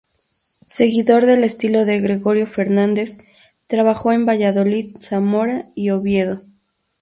Seguidor del estilo de Gregorio Fernández, trabajó en Valladolid, Zamora y Oviedo.